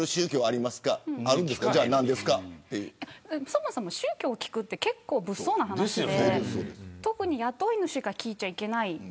そもそも宗教を聞くって結構、物騒な話で特に雇い主が聞いてはいけない。